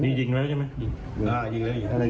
มีจิงแล้วใช่ไหม